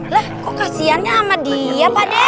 lah kok kasiannya sama dia pak deh